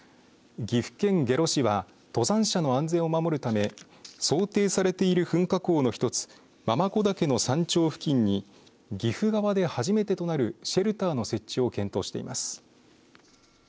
岐阜県下呂市は登山者の安全を守るため想定されている噴火口の１つ継子岳の山頂付近に岐阜側で初めてとなるシェルターの設置を検討しています。